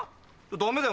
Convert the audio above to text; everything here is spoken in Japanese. ダメだよ